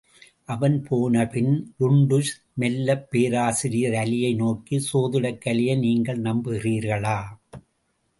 அவன் போன பின், டுன்டுஷ் மெல்லப் பேராசிரியர் அலியை நோக்கி, சோதிடக் கலையை நீங்கள் நம்புகிறீர்களா?